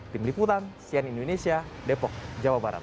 tim liputan sian indonesia depok jawa barat